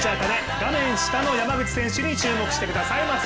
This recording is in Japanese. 画面下の山口選手に注目してください。